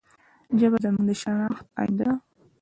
ژبه زموږ د شناخت آینه ده.